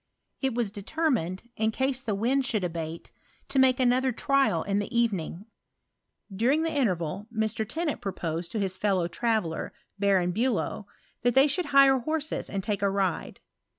'' It was de termined, in case the wind should abate, to make another trial in the evening. During the interval Mr. Tennant proposed to his fellow traveller, Baron Bulow, that they should hire horses and take a ride.